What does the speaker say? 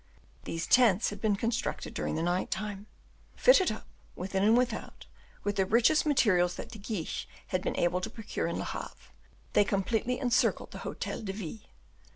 These tents had been constructed during the night time. Fitted up, within and without, with the richest materials that De Guiche had been able to procure in Le Havre, they completely encircled the Hotel de Ville.